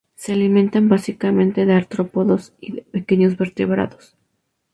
Se alimentan básicamente de artrópodos y de pequeños vertebrados.